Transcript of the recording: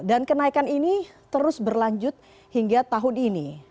dan kenaikan ini terus berlanjut hingga tahun ini